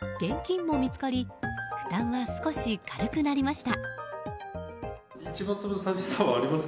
現金も見つかり負担は少し軽くなりました。